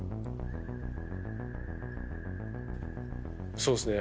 そうですね